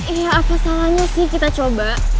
iya apa salahnya sih kita coba